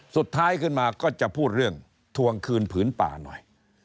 สุดท้ายขึ้นมาก็จะพูดเรื่องทวงคืนผืนป่าหน่อย